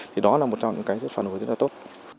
thì đó là một trong những cái phản ứng rất là tốt